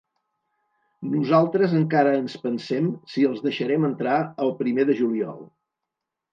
Nosaltres encara ens pensem si els deixarem entrar el primer de juliol.